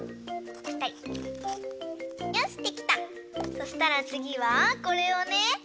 そしたらつぎはこれをね